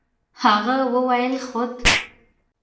هغه وويل خود.